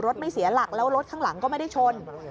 ไม่เสียหลักแล้วรถข้างหลังก็ไม่ได้ชน